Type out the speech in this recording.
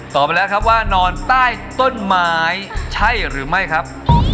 ไปแล้วครับว่านอนใต้ต้นไม้ใช่หรือไม่ครับ